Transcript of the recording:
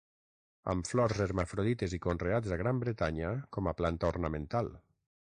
Amb flors hermafrodites i conreats a Gran Bretanya com a planta ornamental.